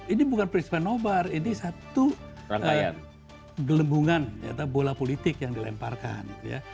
ini bukan prinsipan nobar ini satu gelembungan atau bola politik yang dilemparkan